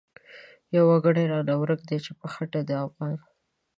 يو وګړی رانه ورک دی چی په خټه دی افغان